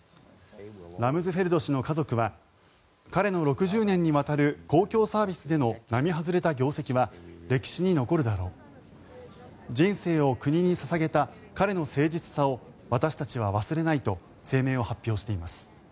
ラムズフェルド氏の家族は彼の６０年にわたる公共サービスでの並外れた業績は歴史に残るだろう人生を国に捧げた彼の誠実さを私たちは忘れないと声明を発表しています。